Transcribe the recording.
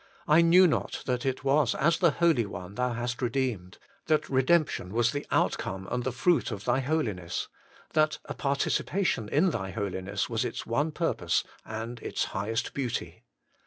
I knew not that it was as the Holy One Thou hadst redeemed, that redemption was the outcome and the fruit of Thy Holiness ; that a participation in Thy Holiness was its one purpose and its highest beauty.